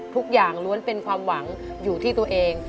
ทุกอย่างรวมเป็นความหวังอยู่ที่ตัวเอง